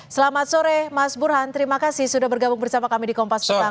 selamat sore mas burhan terima kasih sudah bergabung bersama kami di kompas petang